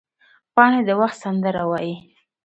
پاڼې د وخت سندره وایي